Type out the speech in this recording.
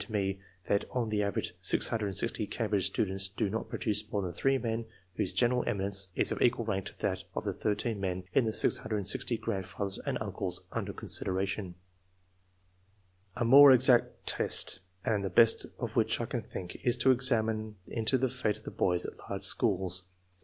67 to me that on the average, 660 Cambridge students do not produce more than 3 men whose general eminence is of equal rank to that of the 13 men in the 660 grandfathers and uncles under consideration. A more exact test, and the best of which I can think, is to examine into the fate of the boys at large schools.